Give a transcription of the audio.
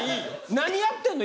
何やってんの？